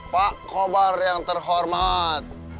pak kobar yang terhormat